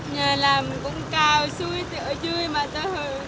nhà làm cũng cao suối tựa dươi mà ta hờ